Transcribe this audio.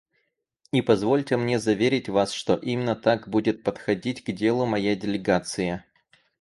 И позвольте мне заверить вас, что именно так будет подходить к делу моя делегация.